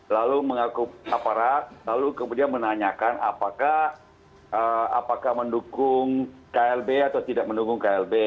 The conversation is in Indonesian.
lalu mengaku aparat lalu kemudian menanyakan apakah mendukung klb atau tidak mendukung klb